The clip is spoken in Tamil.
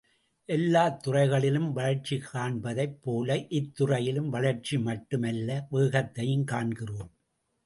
எல்லாத் துறைகளிலும் வளர்ச்சி காண்பதைப் போல இத்துறையிலும் வளர்ச்சி மட்டும் அல்ல வேகத்தையும் காண்கிறோம்.